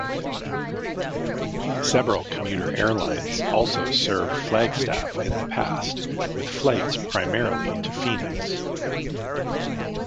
Several commuter airlines also served Flagstaff in the past with flights primarily to Phoenix.